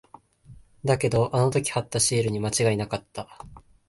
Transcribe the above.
だけど、あの時貼ったシールに間違いなかった。